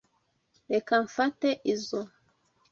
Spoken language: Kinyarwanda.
Reka mfate izoi.